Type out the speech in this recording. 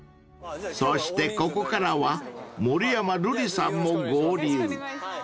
［そしてここからは森山るりさんも合流］